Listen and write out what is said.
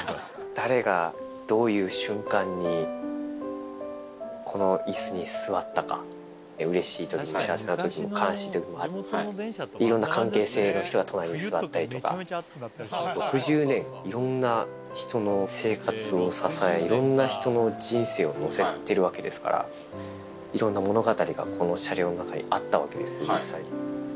誰がどういう瞬間に、このいすに座ったか、うれしいとき、幸せなとき、悲しいときもあって、いろんな関係性の人が隣に座ったりとか、６０年、いろんな人の生活を支え、いろんな人の人生を乗せてるわけですから、いろんな物語がこの車両の中にあったわけですよね、実際。